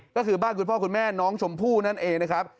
ก็คือบ้านคุณพ่อคุณแม่น้องชมพู่นั่นเองนะครับ